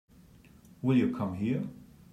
Will you come here?